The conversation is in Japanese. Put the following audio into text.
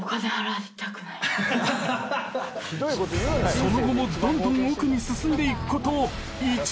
［その後もどんどん奥に進んでいくこと１時間］